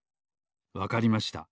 わかりました。